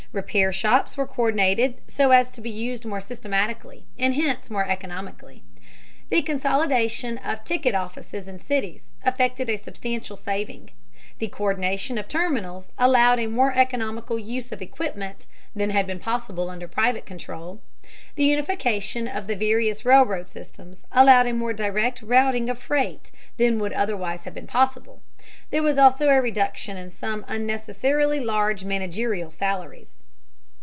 Repair shops were co÷rdinated so as to be used more systematically and hence more economically. The consolidation of ticket offices in cities effected a substantial saving. The co÷rdination of terminals allowed a more economical use of equipment than had been possible under private control. The unification of the various railroad systems allowed a more direct routing of freight than would otherwise have been possible. There was also a reduction in some unnecessarily large managerial salaries.